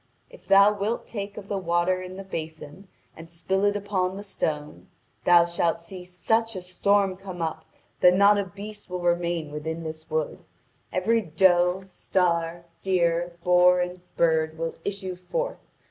If thou wilt take of the water in the basin and spill it upon the stone, thou shalt see such a storm come up that not a beast will remain within this wood; every doe, star, deer, boar, and bird will issue forth.